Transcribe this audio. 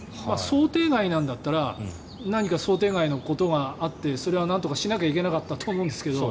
想定外なんだったら何か想定外のことがあってそれはなんとかしなきゃいけなかったと思うんだけど。